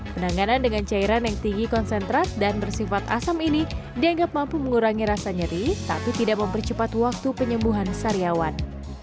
penanganan dengan cairan yang tinggi konsentrat dan bersifat asam ini dianggap mampu mengurangi rasa nyeri tapi tidak mempercepat waktu penyembuhan sariawan